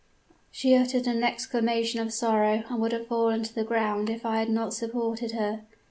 "She uttered an exclamation of sorrow and would have fallen to the ground if I had not supported her.